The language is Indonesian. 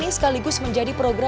maai sekali ugly lo perang ya